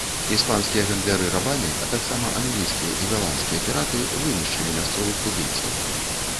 Іспанскія гандляры рабамі, а таксама англійскія і галандскія піраты вынішчылі мясцовых тубыльцаў.